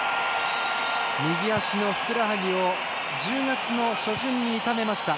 右足のふくらはぎを１０月の初旬に痛めました。